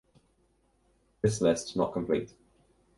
This list not complete.